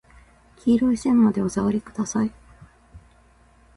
黄色い線までお下りください。